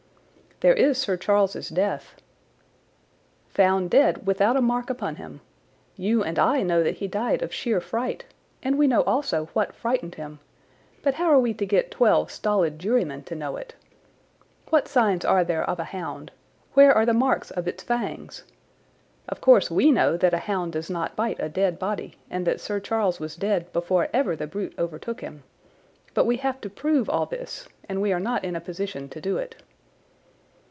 "There is Sir Charles's death." "Found dead without a mark upon him. You and I know that he died of sheer fright, and we know also what frightened him, but how are we to get twelve stolid jurymen to know it? What signs are there of a hound? Where are the marks of its fangs? Of course we know that a hound does not bite a dead body and that Sir Charles was dead before ever the brute overtook him. But we have to prove all this, and we are not in a position to do it."